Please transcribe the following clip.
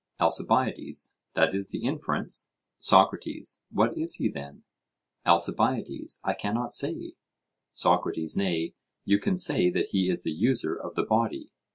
ALCIBIADES: That is the inference. SOCRATES: What is he, then? ALCIBIADES: I cannot say. SOCRATES: Nay, you can say that he is the user of the body.